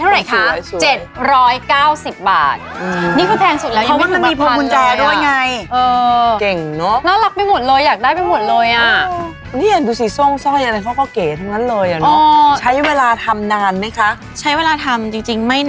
แล้วก็จะมีลูกค้าส่งคือที่พลัตตินั่ม